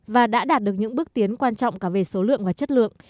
và đã đạt được những bước tiến quan trọng cả về số lượng và chất lượng